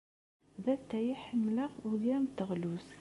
D atay ay ḥemmleɣ ugar n teɣlust.